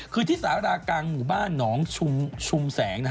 คือที่สารากลางหมู่บ้านหนองชุมแสง